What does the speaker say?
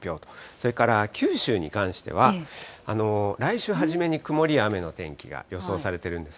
それから九州に関しては、来週初めに曇りや雨の天気が予想されているんです。